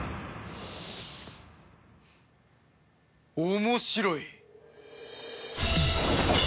面白い。